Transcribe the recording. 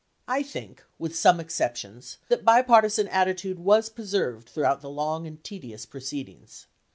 I think, with some exceptions that bipartisan attitude was preserved throughout the long and tedious proceedings.